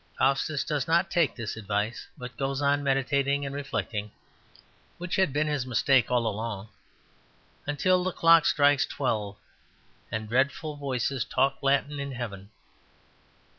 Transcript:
Faustus does not take this advice, but goes on meditating and reflecting (which had been his mistake all along) until the clock strikes twelve, and dreadful voices talk Latin in heaven.